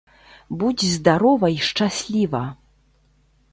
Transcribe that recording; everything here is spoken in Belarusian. Будзь здарова і шчасліва!